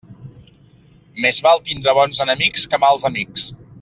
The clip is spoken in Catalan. Més val tindre bons enemics que mals amics.